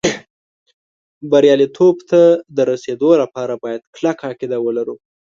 بریالېتوب ته د رسېدو لپاره باید کلکه عقیده ولرو